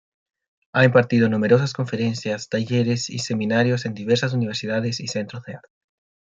Ha impartido numerosas conferencias, talleres y seminarios en diversas universidades y centros de arte.